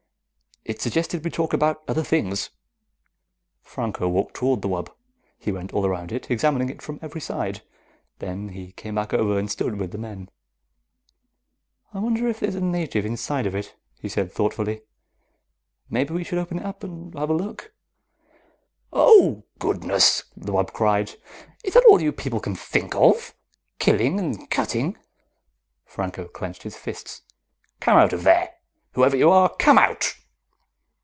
"It suggested we talk about other things." Franco walked toward the wub. He went all around it, examining it from every side. Then he came back over and stood with the men. "I wonder if there's a native inside it," he said thoughtfully. "Maybe we should open it up and have a look." "Oh, goodness!" the wub cried. "Is that all you people can think of, killing and cutting?" Franco clenched his fists. "Come out of there! Whoever you are, come out!"